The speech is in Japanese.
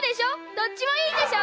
どっちもいいでしょ。